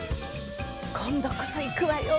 今度こそ行くわよ